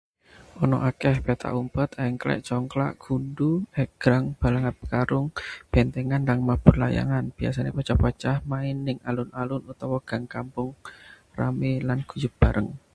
Ana akèh: petak umpet, engklek, congklak, gundu, egrang, balap karung, bentengan, lan mabur layangan. Biasane bocah-bocah main neng alun-alun utawa gang kampung, rame lan guyub bareng.